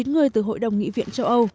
một mươi chín người từ hội đồng nghị viện